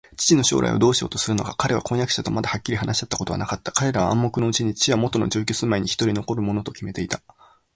父の将来をどうしようとするのか、彼は婚約者とまだはっきり話し合ったことはなかった。彼らは暗黙のうちに、父はもとの住居すまいにひとり残るものときめていた